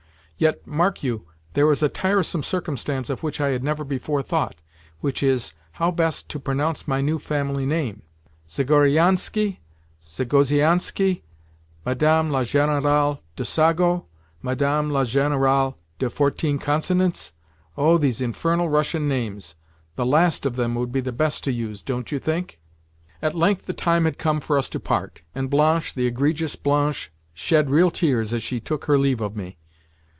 "Yet, mark you, there is a tiresome circumstance of which I had never before thought—which is, how best to pronounce my new family name. Zagorianski, Zagozianski, Madame la Générale de Sago, Madame la Générale de Fourteen Consonants—oh these infernal Russian names! The last of them would be the best to use, don't you think?" At length the time had come for us to part, and Blanche, the egregious Blanche, shed real tears as she took her leave of me.